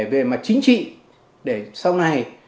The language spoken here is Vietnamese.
về mặt chính trị để sau này